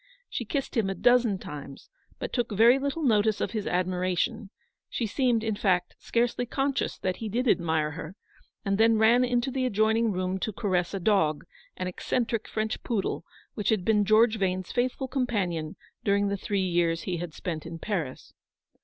She kissed him a dozen times, but took very little notice of his admiration — she seemed, in fact, scarcely conscious that he did admire her — and then ran into the adjoining room to caress a dog, an eccentric French poodle, which had been George Vane's faithful companion during the three years he had spent in Paris.